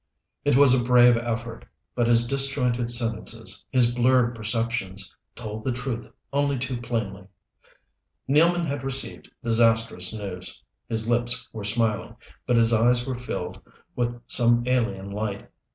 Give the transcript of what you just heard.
It was a brave effort; but his disjointed sentences, his blurred perceptions, told the truth only too plainly. Nealman had received disastrous news. His lips were smiling, but his eyes were filled with some alien light.